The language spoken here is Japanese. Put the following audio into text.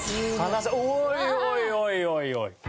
おいおいおいおいおい！